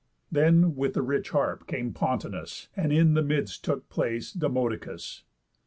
Then with the rich harp came Pontonous, And in the midst took place Demodocus.